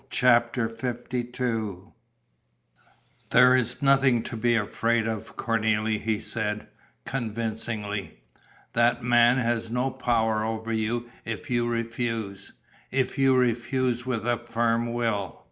CHAPTER LII "There is nothing to be afraid of, Cornélie," he said, convincingly. "That man has no power over you if you refuse, if you refuse with a firm will.